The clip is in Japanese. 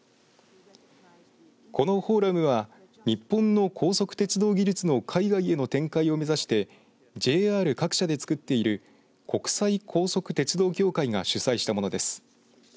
このフォーラムは日本の高速鉄道技術の海外への展開を目指してＪＲ各社でつくっている国際高速鉄道協会が主催したものです。